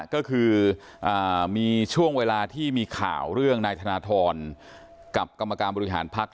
ก็คือมีช่วงเวลาที่มีข่าวเรื่องนายธนทรกับกรรมการบริหารพักษ